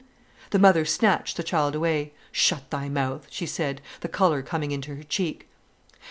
The mother snatched the child away. "Shut thy mouth," she said, the colour coming into her cheek.